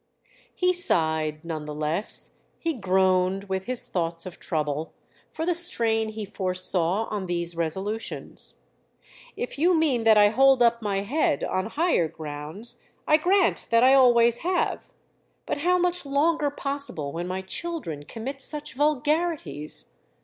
He sighed, none the less, he groaned, with his thoughts of trouble, for the strain he foresaw on these resolutions. "If you mean that I hold up my head, on higher grounds, I grant that I always have. But how much longer possible when my children commit such vulgarities?